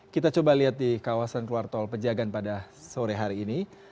kita coba lihat di kawasan keluar tol pejagan pada sore hari ini